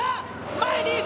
前にいく。